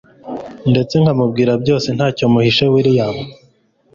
ndetse nkamubwira byose ntacyo muhishe william